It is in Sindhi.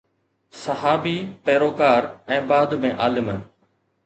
صحابي، پيروڪار ۽ بعد ۾ عالم